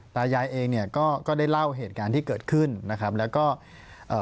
ตายายเองเนี่ยก็ก็ได้เล่าเหตุการณ์ที่เกิดขึ้นนะครับแล้วก็เอ่อ